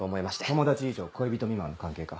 友達以上恋人未満の関係か？